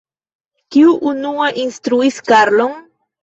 Kiu unue instruis Karlon?